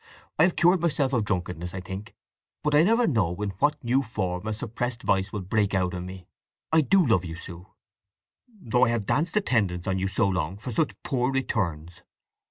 I have cured myself of drunkenness I think; but I never know in what new form a suppressed vice will break out in me! I do love you, Sue, though I have danced attendance on you so long for such poor returns!